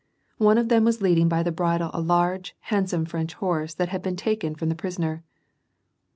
One of them was leading by the bridle a large, handsome French horse that had been taken from the prisoner.